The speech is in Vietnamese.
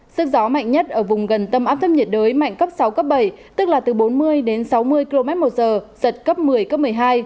sức gió mạnh nhất ở vùng gần tâm áp thấp nhiệt đới mạnh cấp sáu cấp bảy tức là từ bốn mươi đến sáu mươi km một giờ giật cấp một mươi cấp một mươi hai